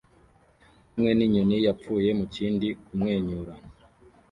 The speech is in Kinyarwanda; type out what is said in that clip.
kumwe n'inyoni yapfuye mu kindi kumwenyura